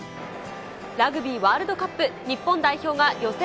ラグビーワールドカップ、日本代表が予選